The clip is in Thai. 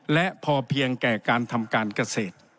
และพอเพียงแก่การทำการเกษตร